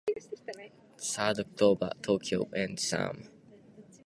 Mervyn LeRoy directed "Thirty Seconds Over Tokyo" and Sam Zimbalist produced the film.